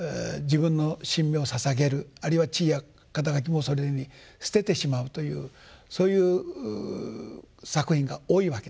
あるいは地位や肩書もそれに捨ててしまうというそういう作品が多いわけですよね。